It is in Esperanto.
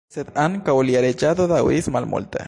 Sed ankaŭ lia reĝado daŭris malmulte.